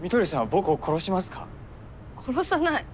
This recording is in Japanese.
殺さない。